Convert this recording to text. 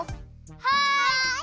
はい！